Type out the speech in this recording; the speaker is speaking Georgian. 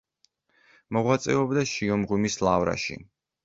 მოღვაწეობდა შიომღვიმის ლავრაში.